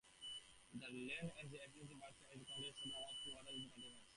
The Linear and Arc versions continued to be sold in most other countries.